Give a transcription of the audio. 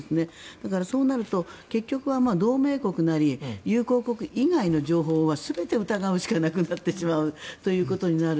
だから、そうなると結局は同盟国なり友好国以外の情報は全て疑うしかなくなってしまうということになる。